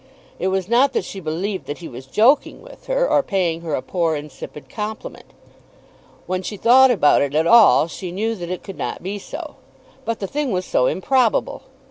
It was not that she believed that he was joking with her or paying her a poor insipid compliment. When she thought about it at all, she knew that it could not be so. But the thing was so improbable!